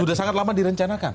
sudah sangat lama direncanakan